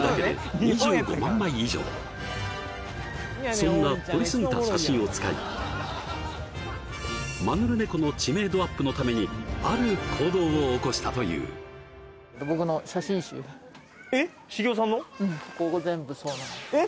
そんな撮りすぎた写真を使いマヌルネコの知名度アップのためにある行動を起こしたといううんここ全部そうなんですえっ